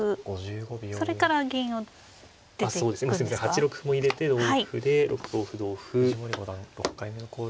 ８六歩も入れて同歩で６五歩同歩５四銀。